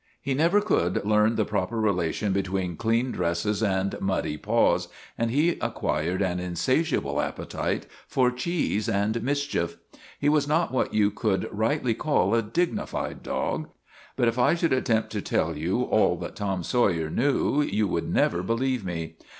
He never could learn the proper relation between clean dresses and muddy paws, and he acquired an insatiable appetite for cheese and mischief. He was not what you could rightly call a dignified dog. But if I should attempt to tell you all that Tom Sawyer knew you would never believe me.